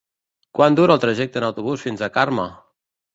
Quant dura el trajecte en autobús fins a Carme?